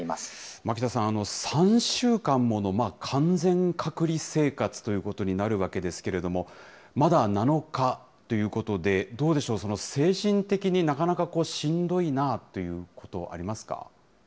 巻田さん、３週間もの完全隔離生活ということになるわけですけれども、まだ７日ということで、どうでしょう、精神的になかなかしんどいなということありますか。